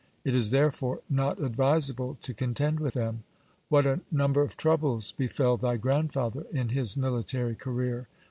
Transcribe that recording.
It is therefore not advisable to contend with them. What a number of troubles befell thy grandfather in his military career